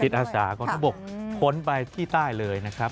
อาสากองทบกพ้นไปที่ใต้เลยนะครับ